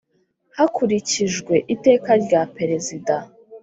Hakurikijwe Iteka rya Perezida